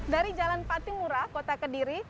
dari jalan patimura kota kediri